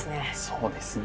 そうですね。